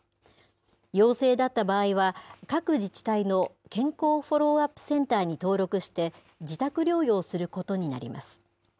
陽性だった場合は、各自治体の健康フォローアップセンターに登録して、自宅療養することになります。